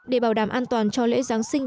để bảo đảm an toàn cho lễ giáng sinh